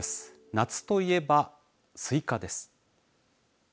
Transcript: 夏といえばスイカです。